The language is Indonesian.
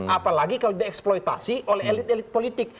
apalagi kalau dieksploitasi oleh elit elit politik